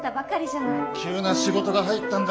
急な仕事が入ったんだ。